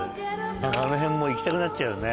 何かあの辺もう行きたくなっちゃうよね